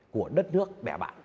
của đất nước mẹ bạn